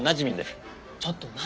ちょっと何？